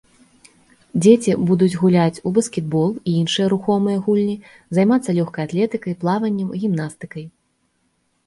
Дзеці будуць гуляць у баскетбол і іншыя рухомыя гульні, займацца лёгкай атлетыкай, плаваннем, гімнастыкай.